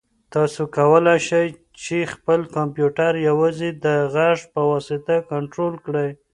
تاسو کولای شئ چې خپل کمپیوټر یوازې د غږ په واسطه کنټرول کړئ.